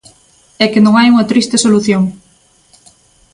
É que non hai unha triste solución.